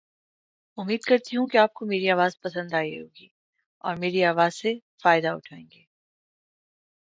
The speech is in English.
On the last flight a hard landing cracked the aeroshell.